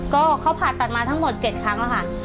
ก็เขาผ่าตัดมาทั้งหมด๗ครั้งแล้วค่ะ